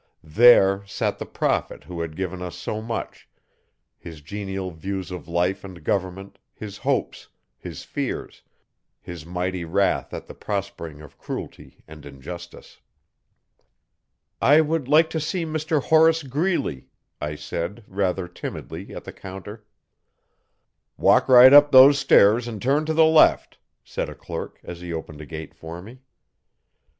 There sat the prophet who had given us so much his genial views of life and government, his hopes, his fears, his mighty wrath at the prospering of cruelty and injustice. 'I would like to see Mr Horace Greeley,' I said, rather timidly, at the counter. 'Walk right up those stairs and turn to the left,' said a clerk, as he opened a gate for me.